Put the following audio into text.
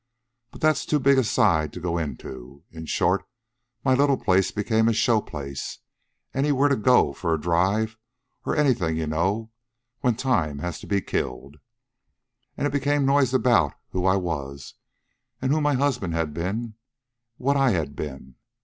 But that's too big a side to go into. In short, my little place became a show place anywhere to go, for a drive or anything, you know, when time has to be killed. And it became noised about who I was, and who my husband had been, what I had been.